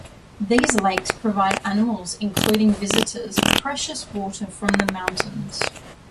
These lakes provide animals including visitors precious water from the mountains.